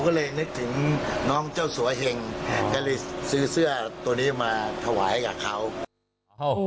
ก็เลยนึกถึงน้องเจ้าสัวเหงก็เลยซื้อเสื้อตัวนี้มาถวายให้กับเขา